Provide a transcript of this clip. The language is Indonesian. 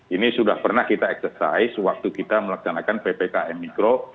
ini sudah pernah kita eksersis waktu kita melaksanakan ppkm mikro